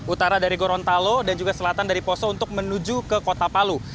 utara dari gorontalo dan juga selatan dari poso untuk menuju ke kota palu